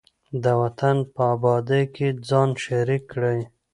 د وطن په ابادۍ کې ځان شریک کړئ.